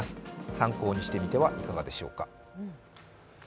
参考にしてみてはいかがでしょうか。